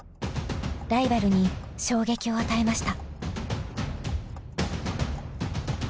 ライバルに衝撃を与えました。